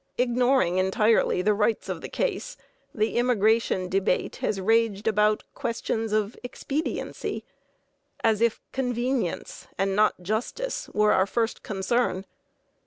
Ignoring entirely the rights of the case, the immigration debate has raged about questions of expediency, as if convenience and not justice were our first concern.